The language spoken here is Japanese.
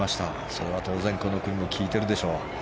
それは当然この組も聞いているでしょう。